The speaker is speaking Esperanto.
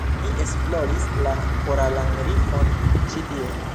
Ni esploris la koralan rifon ĉi tie